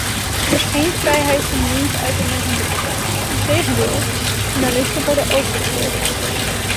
Er is geen vrijheid van meningsuiting en van drukpers, integendeel, journalisten worden ook vervolgd.